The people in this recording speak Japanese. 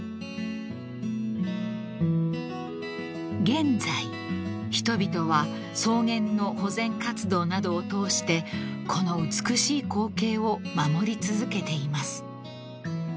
［現在人々は草原の保全活動などを通してこの美しい光景を守り続けています］